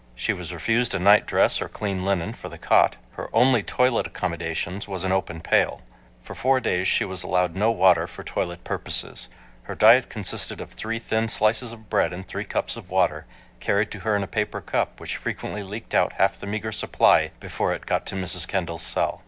She was refused a nightdress or clean linen for the cot. Her only toilet accommodations was an open pail. For four days she was allowed no water for toilet purposes., Her diet consisted of three thin slices of bread and three cups of water, carried to her in a paper cup which frequently leaked out half the meager supply before it got to Mrs. Kendall's cell.